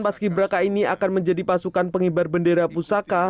enam puluh delapan paski braka ini akan menjadi pasukan pengibar bendera pusaka